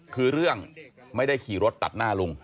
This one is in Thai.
คือเรื่องไม่ได้ขี่รถตัดหน้าลุง